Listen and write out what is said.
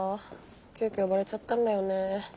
急きょ呼ばれちゃったんだよね。